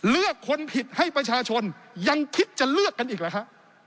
เลือกคนผิดให้ประชาชนยังคิดจะเลือกกันอีกหรือฮะ